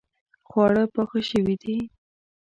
خواړه پاخه شوې دي